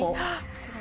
すごい。